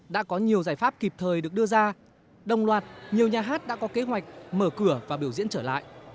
đã có nhiều giải pháp kịp thời được đưa ra đồng loạt nhiều nhà hát đã có kế hoạch mở cửa và biểu diễn trở lại